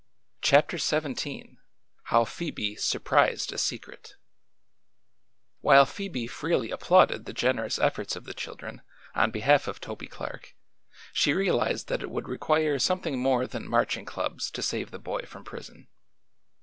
CHAPTER XVII HOW PHOEBE SURPRISED A SECRET While Phoebe freely applauded the generous efforts of the children on behalf of Toby Clark, she realized that it would require something more than Marching Clubs to save the boy from prison.